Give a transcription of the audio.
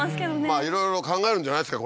まあいろいろ考えるんじゃないですか